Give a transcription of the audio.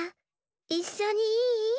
いっしょにいい？